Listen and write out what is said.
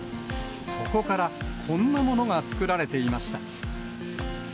そこから、こんなものが作られていました。